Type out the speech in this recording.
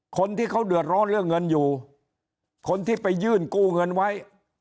คนที่เขาเดือดร้อนเรื่องเงินอยู่คนที่ไปยื่นกู้เงินไว้